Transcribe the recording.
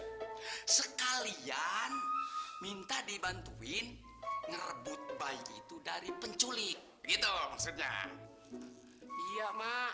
ayo sekalian minta dibantuin ngerebut bayi itu dari penculik gitu maksudnya iya mak